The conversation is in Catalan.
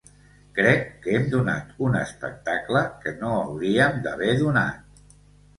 Crec que hem donat un espectacle que no hauríem d’haver donat.